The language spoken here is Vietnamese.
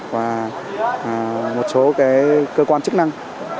và một số cái cơ quan chức năng